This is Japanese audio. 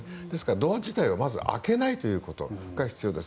ドア自体をまず開けないことが必要です。